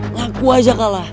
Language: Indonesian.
ngaku aja kalah